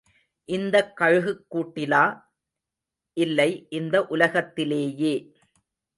இந்தக் கழுகுக் கூட்டிலா? இல்லை, இந்த உலகத்திலேயே.